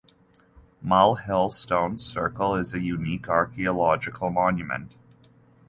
Mull Hill Stone Circle is a unique archaeological monument.